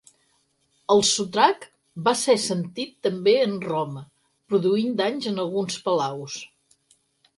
El sotrac va ser sentit també en Roma, produint danys en alguns palaus.